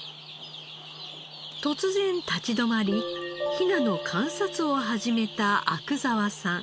突然立ち止まりヒナの観察を始めた阿久澤さん。